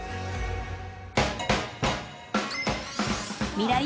［ミライ☆